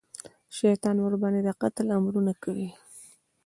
شیطان ورباندې د قتل امرونه کوي.